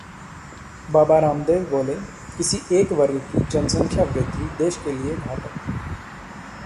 बाबा रामदेव बोले- किसी एक वर्ग की जनसंख्या वृद्धि देश के लिए घातक